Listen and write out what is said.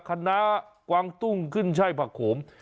คณะกวางตุ้งขึ้นช่ายผักโขม